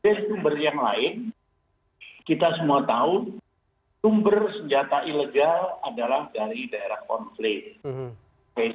dari sumber yang lain kita semua tahu sumber senjata ilegal adalah dari daerah konflik